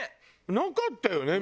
なかったよね？